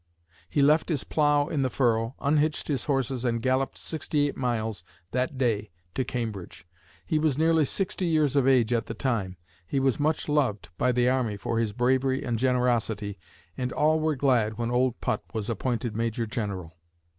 He left his plow in the furrow, unhitched his horses and galloped sixty eight miles that day to Cambridge! He was nearly sixty years of age at the time. He was much loved by the army for his bravery and generosity and all were glad when "Old Put" was appointed Major General.